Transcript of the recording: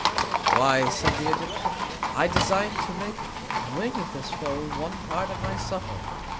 Why, said the Egyptian, I design to make a Wing of this Fowl one Part of my Supper.